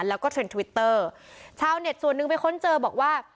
แล้วก็เทรนด์ทวิตเตอร์ชาวเน็ตส่วนหนึ่งไปค้นเจอบอกว่า